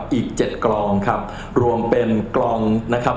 ก็จะมีอีกเจ็ดกรองครับรวมเป็นกรองนะฮะ